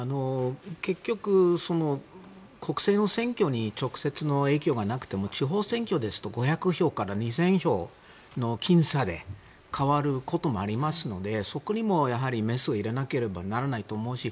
結局、国政の選挙に直接の影響がなくても地方選挙ですと５００票から２０００票のきん差で変わることもありますのでそこにメスを入れなければならないと思うし